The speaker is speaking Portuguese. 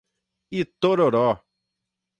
Itororó